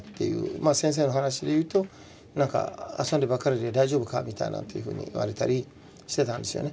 まあ先生の話でいうとなんか「遊んでばかりで大丈夫か？」みたいなんていうふうに言われたりしてたんですよね。